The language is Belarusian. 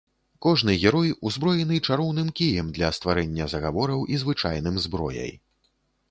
Кожны герой узброены чароўным кіем для стварэння загавораў і звычайным зброяй.